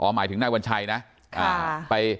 หมายถึงนายวัญชัยนะ